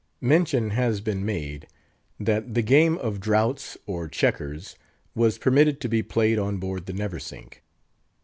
Mention has been made that the game of draughts, or checkers, was permitted to be played on board the Neversink.